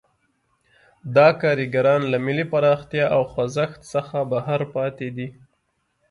دا کارګران له ملي پراختیا او خوځښت څخه بهر پاتې دي.